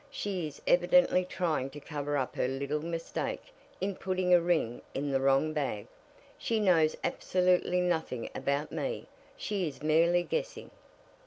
She is evidently trying to cover up her little mistake in putting a ring in the wrong bag. She knows absolutely nothing about me she is merely guessing."